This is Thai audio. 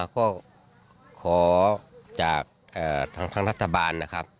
ก็ขอจากทางรัฐบาลนะครับ